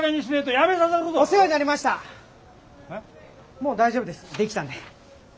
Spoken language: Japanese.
もう大丈夫です出来たんで。